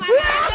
aduh ketemu lagi